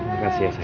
makasih ya sayang